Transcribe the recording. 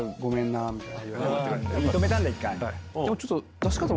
認めたんだ一回。